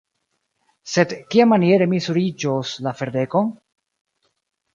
Sed kiamaniere mi suriĝos la ferdekon?